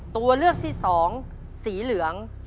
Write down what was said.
ตัวเลือกที่สองสีเหลือง